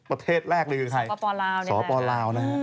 ประเทศแรกเลยคือใครสปลาวนะครับสปลาว